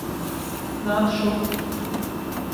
Nāc šurp.